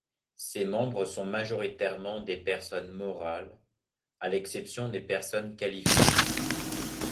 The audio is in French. Ses membres sont majoritairement des personnes morales, à l'exception des personnes qualifiées.